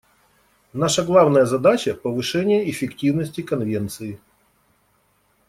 Наша главная задача — повышение эффективности Конвенции.